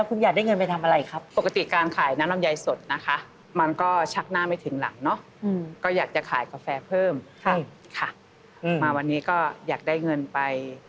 คุณจรมากค่ะคุณจรมากค่ะ